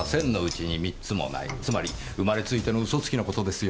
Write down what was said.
つまり生まれついての嘘つきの事ですよ。